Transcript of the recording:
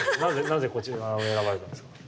なぜこちらを選ばれたんですか？